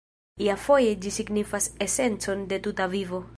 Iafoje ĝi signifas esencon de tuta vivo.